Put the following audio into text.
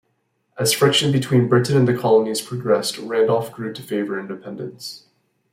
As friction between Britain and the colonies progressed, Randolph grew to favor independence.